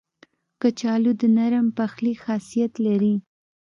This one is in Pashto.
کچالو د نرم پخلي خاصیت لري